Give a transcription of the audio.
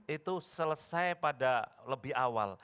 itu selesai pada lebih awal